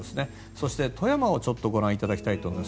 そして富山をご覧いただきたいと思います。